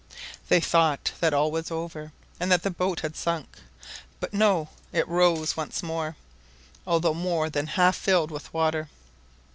They thought that all was over, and that the boat had sunk; but no, it rose once more, although more than half filled with water.